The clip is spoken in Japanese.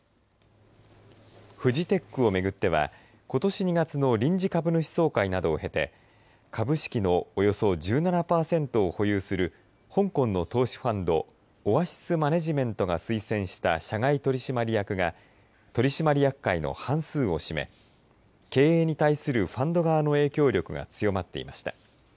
フジテックを巡ってはことし２月の臨時株主総会を経て株式のおよそ１７パーセントを保有する香港の投資ファンドオアシス・マネジメントが推薦した社外取締役が取締役会の半数を占め経営に対するファンド側の影響力が強まっていました。